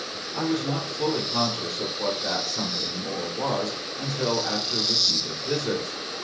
I was not fully conscious of what the something more was until after repeated visits.